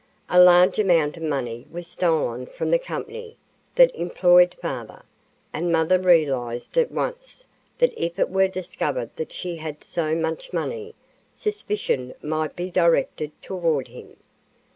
A large amount of money was stolen from the company that employed father, and mother realized at once that if it were discovered that she had so much money, suspicion might be directed toward him.